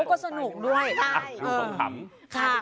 คุณผู้ชมเขาก็สนุกด้วย